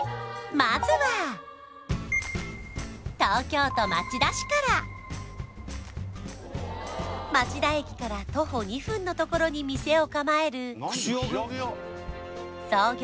まずは東京都町田市から町田駅から徒歩２分のところに店を構える創業